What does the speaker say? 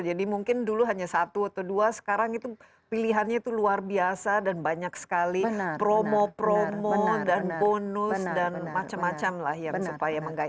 jadi mungkin dulu hanya satu atau dua sekarang itu pilihannya itu luar biasa dan banyak sekali promo promo dan bonus dan macam macam lah yang supaya menggai